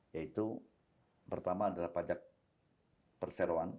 yaitu pertama adalah pajak perseroan